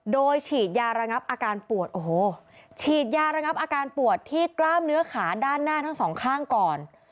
โดยฉีดยาระงับอาการปวดโอ้โหฉีดยาระงับอาการปวดที่กล้ามเนื้อขาด้านหน้าทั้งสองข้างก่อน